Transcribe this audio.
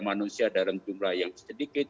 manusia dalam jumlah yang sedikit